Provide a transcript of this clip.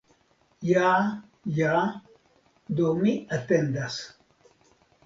Ja, ja, do mi atendas.